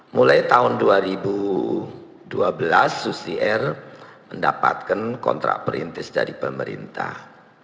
mulai tahun dua ribu dua belas susi air mendapatkan kontrak perintis dari pemerintah